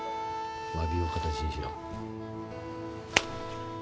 詫びを形にしろ。